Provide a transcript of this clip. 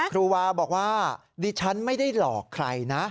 ครูวาบอกว่าดิฉันไม่ได้หลอกใครนะ